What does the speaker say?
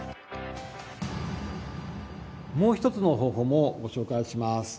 もう一つの方法もご紹介します。